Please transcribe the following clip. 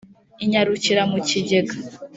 inyarukira mu kigega,